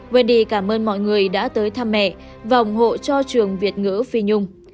veddy cảm ơn mọi người đã tới thăm mẹ và ủng hộ cho trường việt ngữ phi nhung